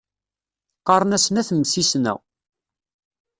Qqaṛen-asen At Msisna.